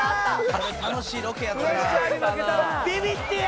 「あれ楽しいロケやったな」